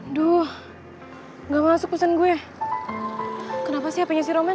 aduh gak masuk pesan gue kenapa sih apanya si roman